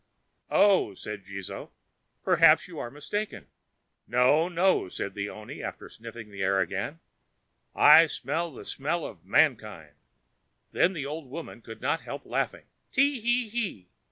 "Oh!" said Jizō, "perhaps you are mistaken." "No, no!" said the oni after snuffing the air again; "I smell a smell of mankind." Then the old woman could not help laughing—"_Te he he!